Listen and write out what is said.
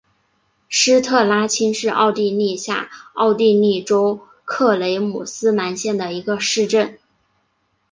施特拉青是奥地利下奥地利州克雷姆斯兰县的一个市镇。